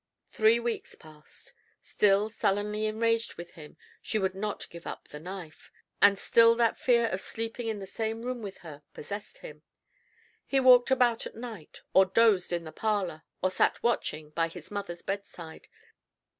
Three weeks passed. Still sullenly enraged with him, she would not give up the knife; and still that fear of sleeping in the same room with her possessed him. He walked about at night, or dozed in the parlor, or sat watching by his mother's bedside.